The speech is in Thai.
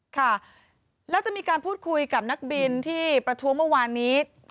ค่ะแล้วจะมีการพูดคุยกับนักบินที่ประท้วงเมื่อวานนี้